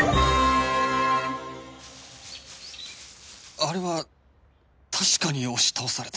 あれは確かに押し倒された